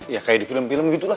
ya kayak di film film gitu lah